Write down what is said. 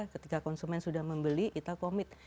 ketika konsumen sudah membeli kita komit